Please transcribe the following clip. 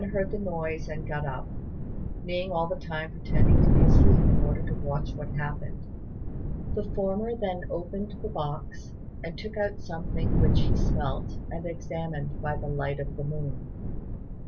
Yen heard the noise and got up, Ning all the time pretending to be asleep in order to watch what happened. The former then opened the box, and took out something which he smelt and examined by the light of the moon.